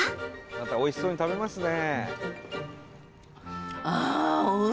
またおいしそうに食べますね。